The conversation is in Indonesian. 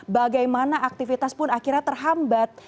bagaimana aktivitas pun akhirnya terhambat